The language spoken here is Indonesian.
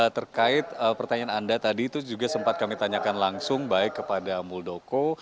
terkait pertanyaan anda tadi itu juga sempat kami tanyakan langsung baik kepada muldoko